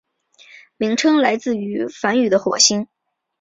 名称来自于梵语的火星。